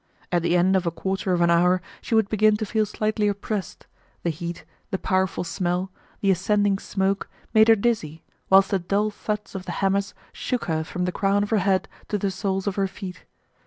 At the end of a quarter of an hour she would begin to feel slightly oppressed; the heat, the powerful smell, the ascending smoke, made her dizzy, whilst the dull thuds of the hammers shook her from the crown of her head to the soles of her feet.